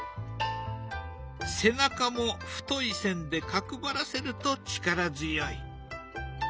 背中も太い線で角ばらせると力強い。